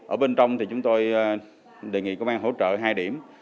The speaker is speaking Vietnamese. ở bên trong thì chúng tôi đề nghị công an hỗ trợ hai điểm